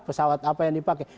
pesawat apa yang dipakai